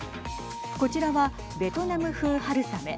こちらはベトナム風春雨。